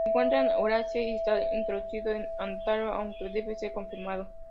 Se encuentra en Eurasia y está introducido en Ontario, aunque debe ser confirmado.